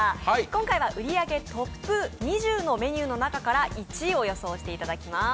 今回は売り上げトップ２０の中から１位を予想していただきます。